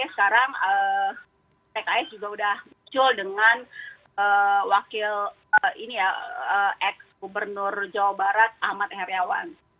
sekarang pks juga sudah muncul dengan wakil ex gubernur jawa barat ahmad heriawan